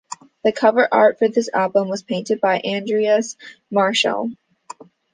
The cover art for this album was painted by Andreas Marschall.